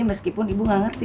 meskipun ibu gak ngerti